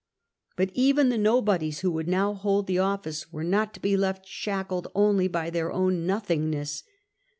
But even the nobodies who would now hold the office were not to he left shackled only by their own nothing ness.